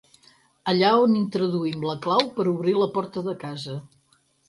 Allà on introduïm la clau per obrir la porta de casa.